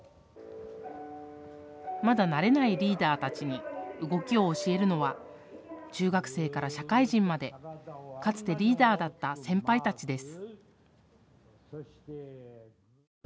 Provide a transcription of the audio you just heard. まだ慣れないリーダーたちに動きを教えるのは中学生から社会人まで、かつてリーダーだった先輩たちです。